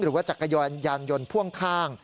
หรือว่าจักรยานยนต์พ่วงข้าง